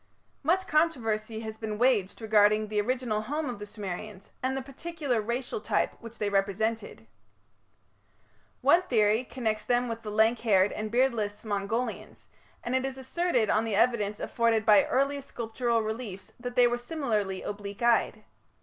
Much controversy has been waged regarding the original home of the Sumerians and the particular racial type which they represented. One theory connects them with the lank haired and beardless Mongolians, and it is asserted on the evidence afforded by early sculptural reliefs that they were similarly oblique eyed.